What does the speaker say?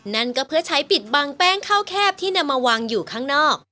นั่นก็เพื่อใช้ปิดบังแป้งข้าวแคบที่นำมาวางอยู่ข้างนอก